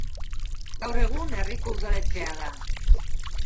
Gaur egun herriko udaletxea da.